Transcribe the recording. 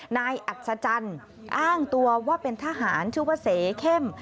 อัศจรรย์อ้างตัวว่าเป็นทหารชื่อว่าเสเข้ม